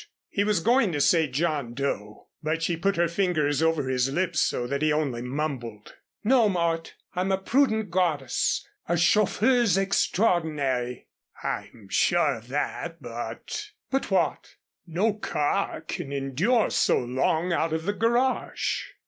He was going to say John Doe, but she put her fingers over his lips so that he only mumbled. "No, Mort I'm a prudent goddess a chauffeuse extraordinary." "I'm sure of that, but " "But what?" "No car can endure so long out of the garage."